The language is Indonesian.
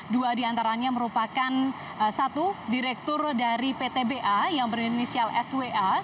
dua diantaranya merupakan satu direktur dari ptba yang berinisial swa